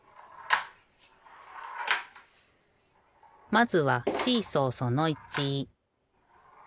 まずはシーソーその１。